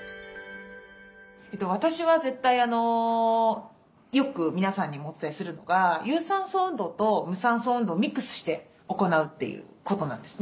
私は絶対よく皆さんにもお伝えするのが有酸素運動と無酸素運動をミックスして行うということなんですね。